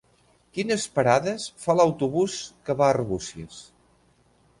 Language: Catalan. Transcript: Quines parades fa l'autobús que va a Arbúcies?